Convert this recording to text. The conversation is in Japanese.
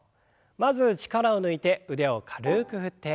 まず力を抜いて腕を軽く振って。